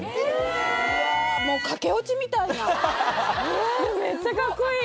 うわ駆け落ちみたいなめっちゃかっこいい！